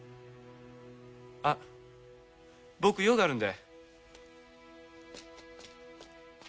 あ僕用があるんで。